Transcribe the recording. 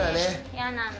嫌なの。